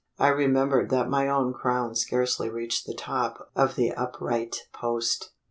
I remembered that my own crown scarcely reached the top of the upright post.